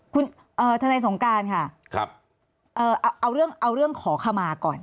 คุณทนายสงการค่ะครับเอ่อเอาเรื่องเอาเรื่องขอขมาก่อน